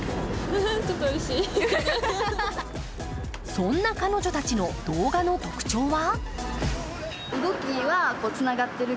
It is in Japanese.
そんな彼女たちの動画の特徴は？